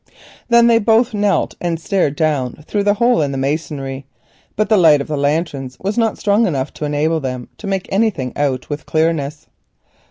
Then they both knelt and stared down through the hole in the masonry, but the light of the lanterns was not strong enough to enable them to make out anything with clearness.